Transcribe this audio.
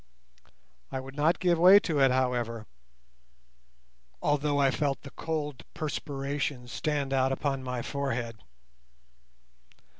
I would not give way to it, however, although I felt the cold perspiration stand out upon my forehead.